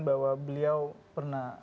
bahwa beliau pernah